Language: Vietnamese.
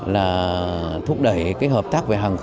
là thúc đẩy hợp tác về hàng khách